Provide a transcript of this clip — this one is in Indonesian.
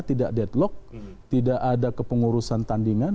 tidak deadlock tidak ada kepengurusan tandingan